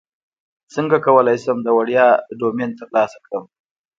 څنګه کولی شم د وړیا ډومین ترلاسه کړم